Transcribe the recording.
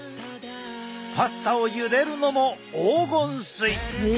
パスタをゆでるのも黄金水。